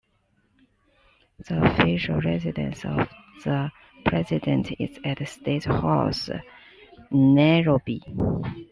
The official residence of the president is at State House, Nairobi.